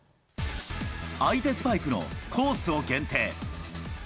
相手スパイクのコースを限定。